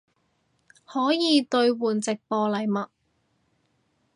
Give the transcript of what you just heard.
可以兑换直播禮物